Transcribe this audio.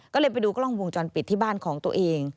ก็เลยไปดูกล้องวงจรปิดที่บ้านของตัวเอง